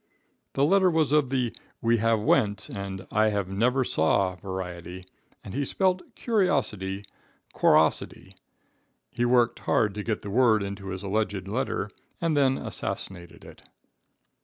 The letter was of the "we have went" and "I have never saw" variety, and he spelt curiosity "qrossity." He worked hard to get the word into his alleged letter, and then assassinated it.